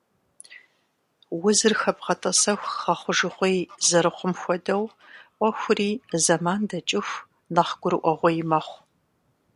Узыр хэбгъэтӀэсэху гъэхъужыгъуей зэрыхъум хуэдэу Ӏуэхури, зэман дэкӀыху, нэхъ гурыӀуэгъуей мэхъу.